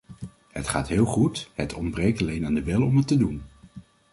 Het gaat heel goed, het ontbreekt alleen aan de wil om het te doen!